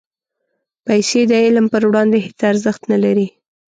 پېسې د علم پر وړاندې هېڅ ارزښت نه لري.